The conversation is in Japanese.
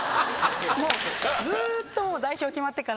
ずっと代表決まってから。